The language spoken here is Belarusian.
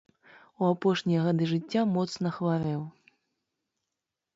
У апошнія гады жыцця моцна хварэў.